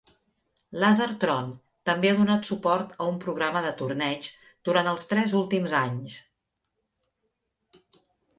LaserTron també ha donat suport a un programa de torneigs durant els tres últims anys.